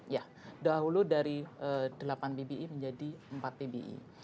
ya dahulu dari delapan pbi menjadi empat pbi